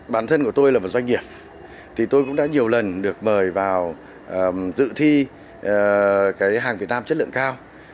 bản thân của tôi là một doanh nghiệp thì tôi cũng đã nhiều lần được mời vào dự thi cái hàng việt nam chất lượng cao